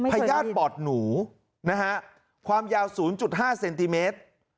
พญาติบอดหนูนะฮะความยาว๐๕เซนติเมตร